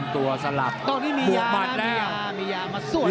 ตัวนี้มียานะมียามันสวดแล้ว